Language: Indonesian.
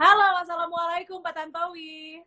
halo wassalamu'alaikum pak tantowi